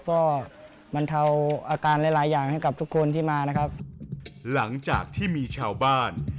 ก็บรรเทาอาการหลายหลายอย่างให้กับทุกคนที่มานะครับหลังจากที่มีชาวบ้าน